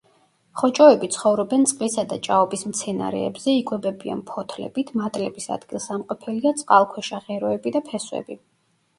ხოჭოები ცხოვრობენ წყლისა და ჭაობის მცენარეებზე, იკვებებიან ფოთლებით, მატლების ადგილსამყოფელია წყალქვეშა ღეროები და ფესვები.